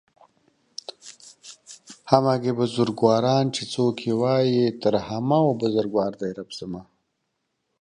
همگي بزرگواران چې څوک يې وايي تر همه و بزرگوار دئ رب زما